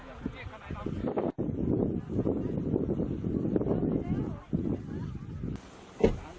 สุดท้ายเมื่อเวลาสุดท้าย